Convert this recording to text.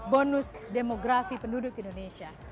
bonus demografi penduduk indonesia